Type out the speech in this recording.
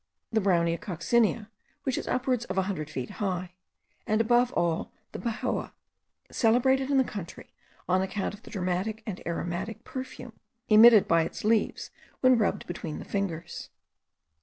the Brownea coccinea, which is upwards of a hundred feet high; and above all; the pejoa, celebrated in the country on account of the delightful and aromatic perfume emitted by its leaves when rubbed between the fingers.